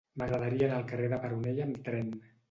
M'agradaria anar al carrer de Peronella amb tren.